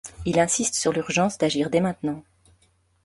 Il insiste sur l'urgence d'agir dès maintenant.